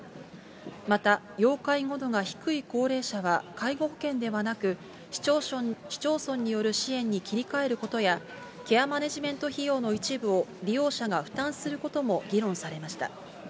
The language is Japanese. また、要介護度が低い高齢者は、介護保険ではなく、市町村による支援に切り替えることや、ケアマネジメント費用の一部を利用者が負担することも議論されました。